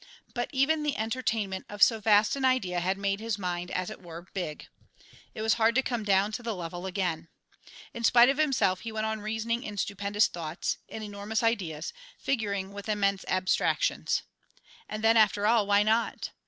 But even the entertainment of so vast an idea had made his mind, as it were, big; it was hard to come down to the level again. In spite of himself he went on reasoning in stupendous thoughts, in enormous ideas, figuring with immense abstractions. And then after all, why not?